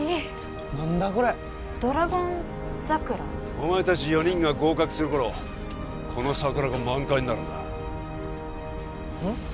お前達４人が合格する頃この桜が満開になるんだうん？